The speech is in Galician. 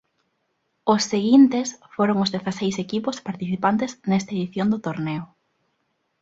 Os seguintes foron os dezaseis equipos participantes nesta edición do torneo.